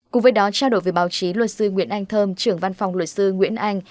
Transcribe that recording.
cùng với đó trao đổi với báo chí luật sư nguyễn anh thơm trưởng văn phòng luật sư nguyễn anh